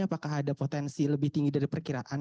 apakah ada potensi lebih tinggi dari perkiraan